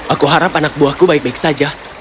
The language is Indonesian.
aku harap anak buahku baik baik saja